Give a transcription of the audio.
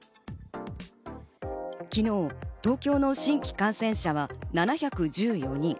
昨日、東京の新規感染者は７１４人。